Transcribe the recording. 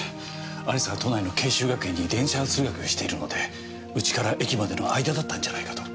亜里沙は都内の慶修学園に電車通学しているので家から駅までの間だったんじゃないかと。